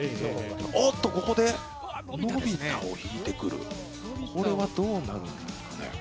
おっとここで、のび太を引いてくるこれはどうなるんですかね。